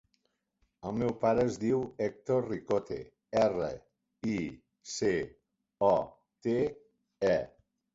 El meu pare es diu Hèctor Ricote: erra, i, ce, o, te, e.